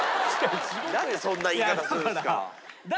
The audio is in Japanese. なんでそんな言い方するんですか！